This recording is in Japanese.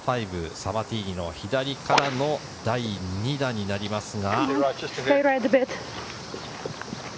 サバティーニの左からの第２打になりますが。